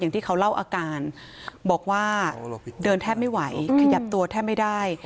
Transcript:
ที่เขาเล่าอาการบอกว่าเดินแทบไม่ไหวขยับตัวแทบไม่ได้